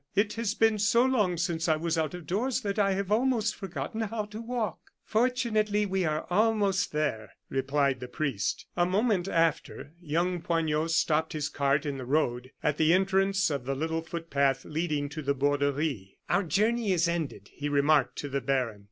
It has been so long since I was out of doors that I have almost forgotten how to walk." "Fortunately, we are almost there," replied the priest. A moment after young Poignot stopped his cart in the road, at the entrance of the little footpath leading to the Borderie. "Our journey is ended!" he remarked to the baron.